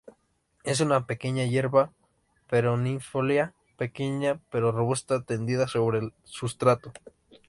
Es una pequeña hierba perennifolia, pequeña pero robusta, tendida sobre el sustrato.